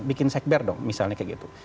bikin sekber dong misalnya kayak gitu